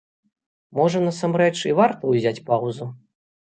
Можа, насамрэч і варта ўзяць паўзу?